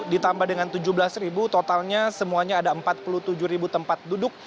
tiga puluh ditambah dengan tujuh belas totalnya semuanya ada empat puluh tujuh tempat duduk